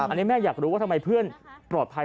อันนี้แม่อยากรู้ว่าทำไมเพื่อนปลอดภัย